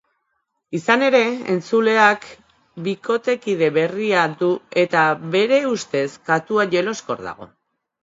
Izan ere, entzuleak bikotekide berria du eta bere ustez katua jeloskor dago.